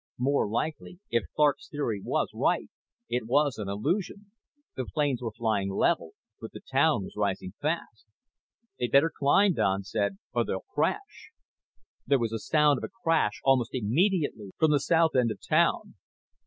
More likely, if Clark's theory was right, it was an illusion the planes were flying level but the town was rising fast. "They'd better climb," Don said, "or they'll crash!" There was the sound of a crash almost immediately, from the south end of town.